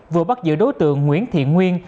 vừa bắt giữ đối tượng nguyễn thiện nguyên